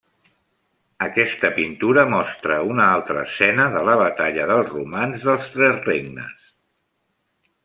Aquesta pintura mostra una altra escena de la batalla del Romanç dels Tres Regnes.